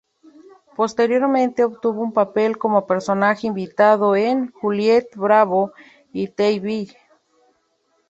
Posteriormente obtuvo un papel como personaje invitado en "Juliet Bravo" y en The Bill.